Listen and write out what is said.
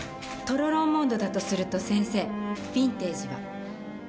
「トロロン・モンド」だとすると先生ヴィンテージは？